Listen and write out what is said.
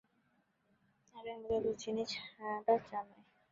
আগের মতো দুধ-চিনি ছাড়া চা নয়।